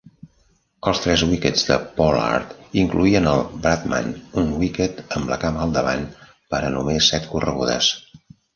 Els tres wickets de Pollard incloïen el Bradman, un wicket amb la cama al davant per a només set corregudes.